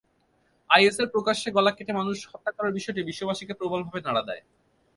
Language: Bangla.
আইএসের প্রকাশ্যে গলা কেটে মানুষ হত্যা করার বিষয়টি বিশ্ববাসীকে প্রবলভাবে নাড়া দেয়।